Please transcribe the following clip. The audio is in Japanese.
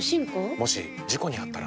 もし事故にあったら？